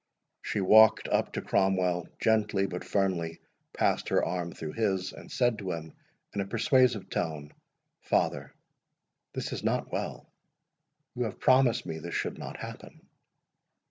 She walked up to Cromwell, gently but firmly passed her arm through his, and said to him in a persuasive tone, "Father, this is not well—you have promised me this should not happen."